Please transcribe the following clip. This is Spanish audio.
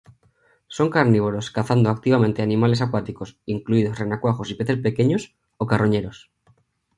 Son carnívoros, cazando activamente animales acuáticos, incluidos renacuajos y peces pequeños, o carroñeros.